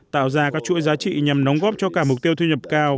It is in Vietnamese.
tạo ra các chuỗi giá trị nhằm đóng góp cho cả mục tiêu thu nhập cao